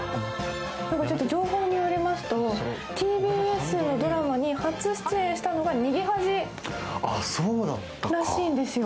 情報によりますと、ＴＢＳのドラマに初出演したのが「逃げ恥」らしいんですよ。